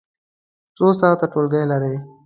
څو ساعته ټولګی لرئ؟